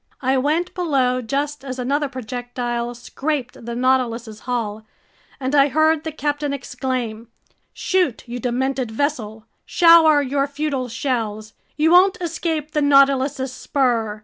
I went below just as another projectile scraped the Nautilus's hull, and I heard the captain exclaim: "Shoot, you demented vessel! Shower your futile shells! You won't escape the Nautilus's spur!